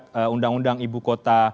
untuk mengagumkan undang undang ibu kota